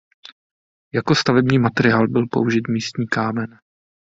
Jako stavební materiál byl použit místní kámen.